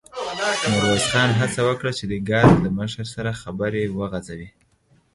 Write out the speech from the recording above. ميرويس خان هڅه وکړه چې د ګارد له مشر سره خبرې وغځوي.